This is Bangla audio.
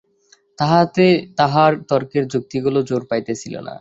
তাহাতে তাঁহার তর্কের যুক্তিগুলি জোর পাইতেছিল না।